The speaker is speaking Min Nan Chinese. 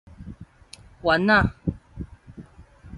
原仔